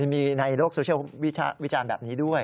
มีในโลกโซเชียลวิจารณ์แบบนี้ด้วย